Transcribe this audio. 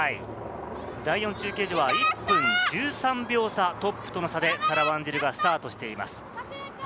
第４中継所は１分１３秒差、トップとの差で、サラ・ワンジルがスタートしています。